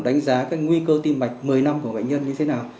đánh giá các nguy cơ tim mạch một mươi năm của bệnh nhân như thế nào